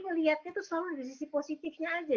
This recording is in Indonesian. ngelihatnya itu selalu di sisi positifnya aja